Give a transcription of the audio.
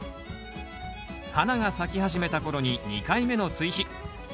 花が咲き始めた頃に２回目の追肥。